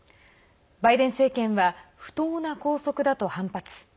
バイデン政権は不当な拘束だと反発。